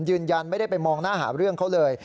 ยืนยันไม่ได้ไปมองหน้าหาเรื่องเขาเลย